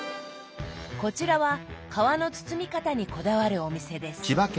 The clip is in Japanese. こちらは皮の包み方にこだわるお店です。